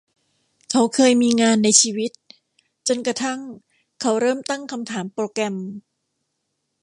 เขาเคยมีงานในชีวิต จนกระทั่งเขาเริ่มตั้งคำถามโปรแกรม